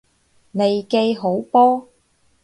利記好波！